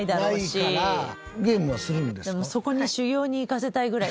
そこに修業に行かせたいぐらい。